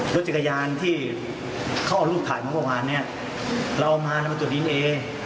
รถจักรยานที่เขาเอารูปถ่ายมาเมื่อวานเนี่ยเราเอามาแล้วมาตรวจดีเอนเอ